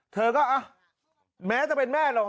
เธอก็แม้จะเป็นแม่หรอก